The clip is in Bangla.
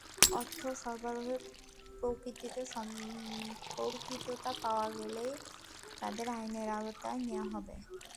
অর্থ সরবরাহে প্রকৃতই সম্পৃক্ততা পাওয়া গেলে তাঁদের আইনের আওতায় নেওয়া হবে।